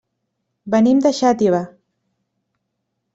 Venim de Xàtiva.